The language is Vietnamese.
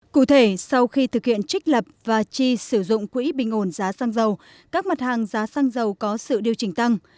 cụ thể sau khi thực hiện trích lập và chi sử dụng quỹ bình ổn giá xăng dầu các mặt hàng giá xăng dầu có sự điều chỉnh tăng